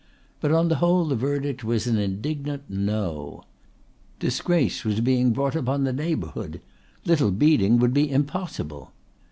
But on the whole the verdict was an indignant No. Disgrace was being brought upon the neighbourhood. Little Beeding would be impossible.